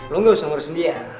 lo gak usah ngurusin dia